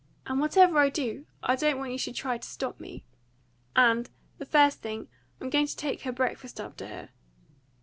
And, whatever I do, I don't want you should try to stop me. And, the first thing, I'm going to take her breakfast up to her.